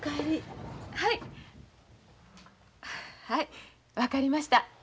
はい分かりました。